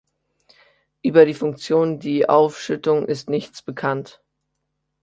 Über die Funktion die Aufschüttung ist nichts bekannt.